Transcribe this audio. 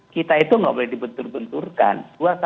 kita itu nggak boleh dibentur benturkan